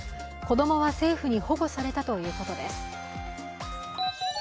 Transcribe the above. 子供は政府に保護されたということです。